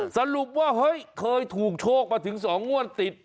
สรุปว่าเฮ้ยเคยถูกโชคมาถึง๒งวดติด